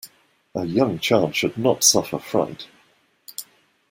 A young child should not suffer fright.